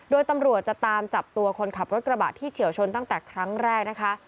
โดยตำรวจจะตามจับตัวคนขับรถกระบะที่เฉียวชนตั้งแต่ครั้งแรกนะคะ